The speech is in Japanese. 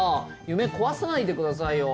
夢壊さないでくださいよ。